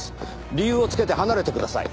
理由をつけて離れてください。